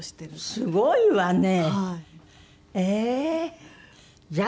すごいわね。